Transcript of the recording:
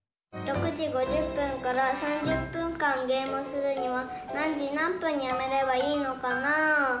６時５０分から３０分間ゲームするには何時何分にやめればいいのかなぁ？